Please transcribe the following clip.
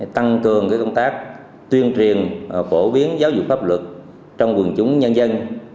tăng cường công tác tuyên truyền phổ biến giáo dục pháp luật trong quần chúng nhân dân